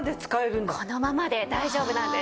このままで大丈夫なんです。